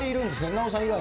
奈緒さん以外にも。